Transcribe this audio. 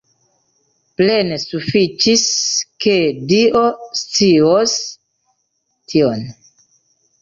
Plene sufiĉis, ke Dio scios tion.